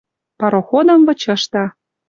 Пароходым вычышда.